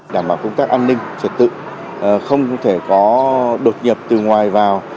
đảm bảo công tác an ninh trật tự không thể có đột nhập từ ngoài vào